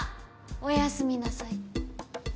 おやすみなさい。